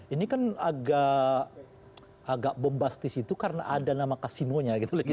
ini kan agak bombastis itu karena ada nama kasimonya gitu